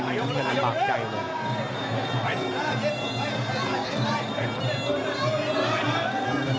มีทั้งเพื่อนอำบากใจเลย